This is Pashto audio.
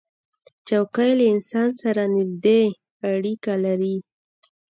چوکۍ له انسان سره نزدې اړیکه لري.